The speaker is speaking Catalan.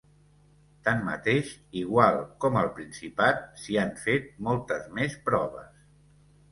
Tanmateix, igual com al Principat, s’hi han fet moltes més proves.